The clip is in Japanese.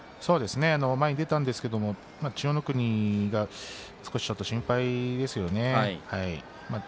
前に出たんですけども千代の国が少しちょっと心配ですよね。